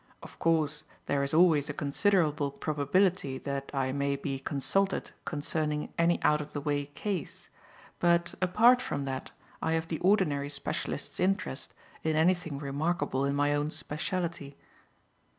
Of course, there is always a considerable probability that I may be consulted concerning any out of the way case; but, apart from that, I have the ordinary specialist's interest in anything remarkable in my own speciality."